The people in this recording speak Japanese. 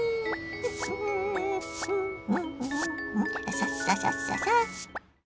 さっささっささ。